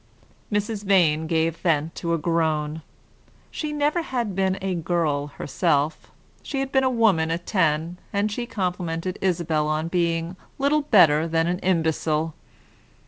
Mrs. Vane gave vent to a groan. She never had been a girl herself she had been a woman at ten; and she complimented Isabel upon being little better than an imbecile.